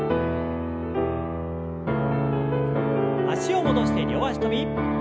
脚を戻して両脚跳び。